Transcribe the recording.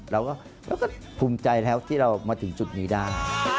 เราก็ภูมิใจแล้วที่เรามาถึงจุดนี้ได้